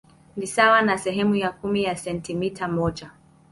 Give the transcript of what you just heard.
Ni sawa na sehemu ya kumi ya sentimita moja.